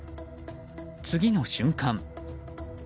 次の瞬間。